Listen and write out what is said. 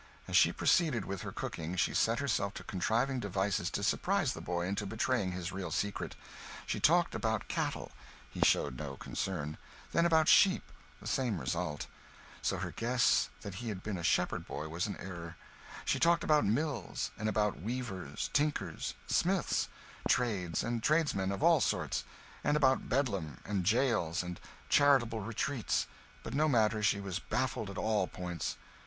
As she proceeded with her cooking, she set herself to contriving devices to surprise the boy into betraying his real secret. She talked about cattle he showed no concern; then about sheep the same result: so her guess that he had been a shepherd boy was an error; she talked about mills; and about weavers, tinkers, smiths, trades and tradesmen of all sorts; and about Bedlam, and jails, and charitable retreats: but no matter, she was baffled at all points.